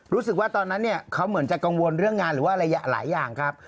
รู้สึกว่าตอนนั้นเนี่ยเขาเหมือนจะกังวลเรื่องงานหรือว่าอะไรหลายอย่างครับ